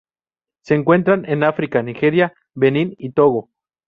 Se encuentran en África: Nigeria, Benín y Togo.